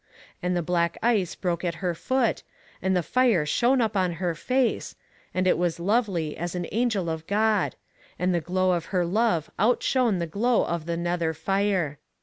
And the black ice broke at her foot, and the fire shone up on her face, and it was lovely as an angel of God, and the glow of her love outshone the glow of the nether fire.